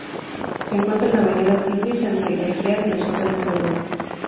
Se encuentra en la avenida Tiflis, entre el Hyatt y los Hoteles Europa.